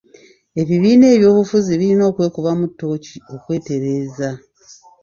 Ebibiina by'oby'obufuzi birina okwekubamu tooki okwetereeza.